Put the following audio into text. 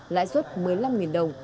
lãi suất một mươi năm đồng